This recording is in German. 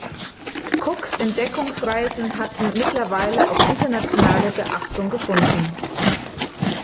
Cooks Entdeckungsreisen hatten mittlerweile auch internationale Beachtung gefunden.